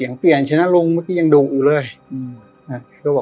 สิงเปลี่ยนชันด้านลุงมันนี่ยังดูอยู่เลยอืม